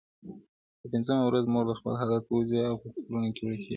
په پنځمه ورځ مور له خپل حالته وځي او په فکرونو کي ورکيږي,